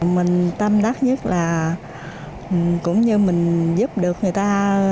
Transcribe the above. mình tâm đắc nhất là cũng như mình giúp được người ta